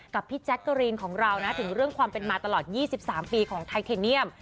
พี่แจ๊กเกอรีนของเรานะถึงเรื่องความเป็นมาตลอด๒๓ปีของไทเทเนียม